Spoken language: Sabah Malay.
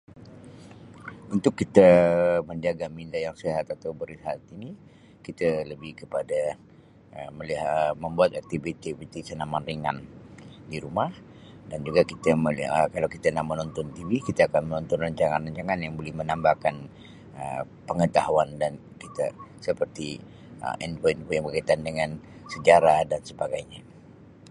Untuk kita menjaga minda yang sihat atau berehat ini kita lebih kepada[Um] melihat membuat aktiviti-viti senaman ringan di rumah dan juga kalau kita nak menonton TV kita akan menonton rancangan-rancangan yang menambahkan pengetahun dan kita seperti info-info yang berkaitan dengan sejarah dan sebagainya.